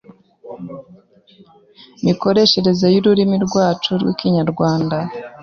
imikoreshereze y’ururimi rwacu rw’Ikinyarwanda